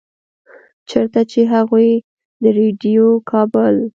چرته چې هغوي د ريډيؤ کابل